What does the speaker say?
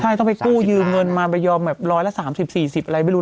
ใช่ต้องกูยืมเงินมาประโยชน์แบบร้อยละ๓๐๔๐อะไรไม่รู้